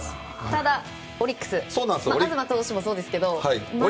ただ、オリックスは東投手もそうですけどまだいますよね。